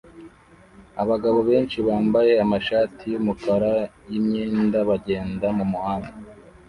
Abagabo benshi bambaye amashati yumukara yimyenda bagenda mumuhanda